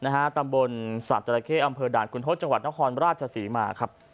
ตำบลสัตว์จราเข้อำเภอด่านคุณทศจังหวัดนครราชศรีมาครับ